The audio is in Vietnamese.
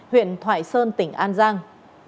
huyện thoại sơn tỉnh an giang